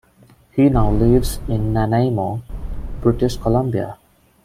He now lives in Nanaimo, British Columbia.